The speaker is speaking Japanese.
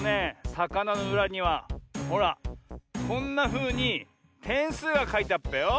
さかなのうらにはほらこんなふうにてんすうがかいてあっぺよ。